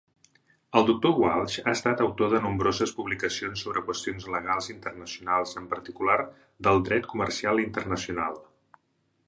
El doctor Walch ha estat autor de nombroses publicacions sobre qüestions legals internacionals, en particular del dret comercial internacional.